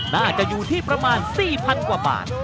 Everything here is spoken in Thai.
น่าจะอยู่ที่ประมาณ๔๐๐๐กว่าบาท